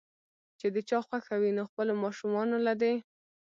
چې د چا خوښه وي نو خپلو ماشومانو له دې